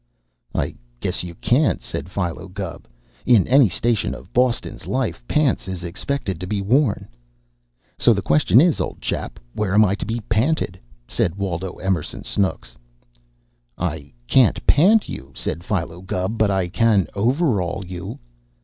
"I guess you can't," said Philo Gubb. "In any station of Boston life, pants is expected to be worn." "So the question is, old chap, where am I to be panted?" said Waldo Emerson Snooks. "I can't pant you," said Philo Gubb, "but I can overall you."